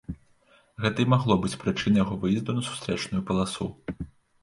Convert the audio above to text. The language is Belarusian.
Гэта і магло быць прычынай яго выезду на сустрэчную паласу.